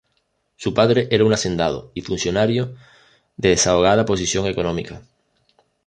Su padre era un hacendado y funcionario de desahogada posición económica.